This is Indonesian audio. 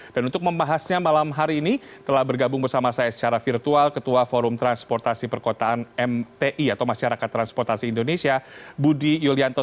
dan untuk membahasnya malam hari ini telah bergabung bersama saya secara virtual ketua forum transportasi perkotaan mti atau masyarakat transportasi indonesia budi yulianto